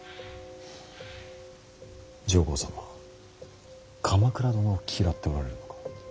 上皇様は鎌倉殿を嫌っておられるのか。